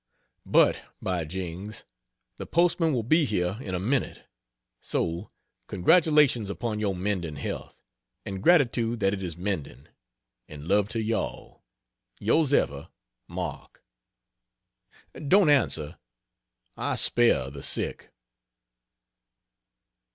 But, by jings! the postman will be here in a minute; so, congratulations upon your mending health, and gratitude that it is mending; and love to you all. Yrs Ever MARK. Don't answer I spare the sick.